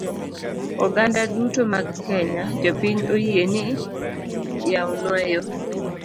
Oganda duto mag kenya, jopiny oyie ni yawnwa yoo!